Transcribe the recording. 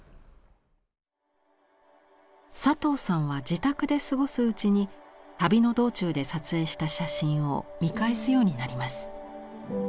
佐藤さんは自宅で過ごすうちに旅の道中で撮影した写真を見返すようになります。